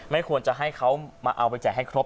ไม่ควรจะให้เขาเอาไปจ่ายให้ครบ